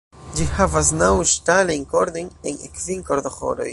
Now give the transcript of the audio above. Ĝi havas naŭ ŝtalajn kordojn en kvin kordoĥoroj.